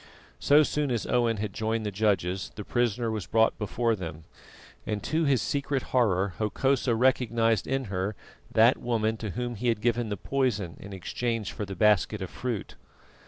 So soon as Owen had joined the judges, the prisoner was brought before them, and to his secret horror Hokosa recognised in her that woman to whom he had given the poison in exchange for the basket of fruit.